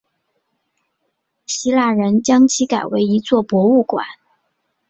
希腊人将其改为一座博物馆。